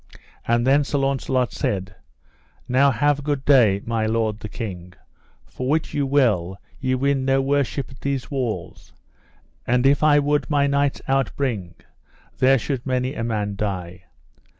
And then Sir Launcelot said: Now have good day, my lord the king, for wit you well ye win no worship at these walls; and if I would my knights outbring, there should many a man die.